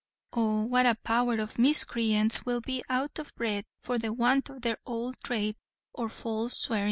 Oh what a power o' miscrayants will be out of bread for the want of their owld thrade of false swearin'.